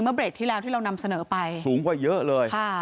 เบรกที่แล้วที่เรานำเสนอไปสูงกว่าเยอะเลยค่ะ